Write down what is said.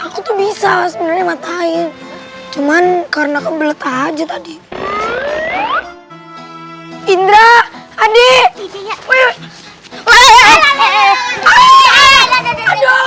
aku tuh bisa sebenernya matahin cuman karena kebelet aja tadi indra adik